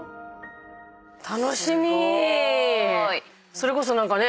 それこそ何かね